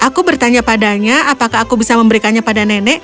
aku bertanya padanya apakah aku bisa memberikannya pada nenek